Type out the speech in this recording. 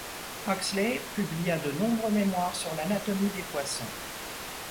Huxley publia de nombreux mémoires sur l'anatomie des poissons.